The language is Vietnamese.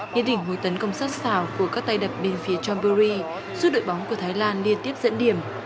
những đỉnh hối tấn công sát xảo của các tay đập bên phía john burry giúp đội bóng của thái lan liên tiếp dẫn điểm